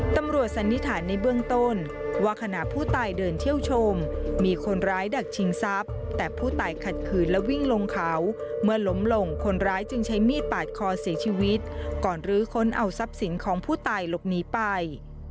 สันนิษฐานในเบื้องต้นว่าขณะผู้ตายเดินเที่ยวชมมีคนร้ายดักชิงทรัพย์แต่ผู้ตายขัดขืนและวิ่งลงเขาเมื่อล้มลงคนร้ายจึงใช้มีดปาดคอเสียชีวิตก่อนรื้อค้นเอาทรัพย์สินของผู้ตายหลบหนีไป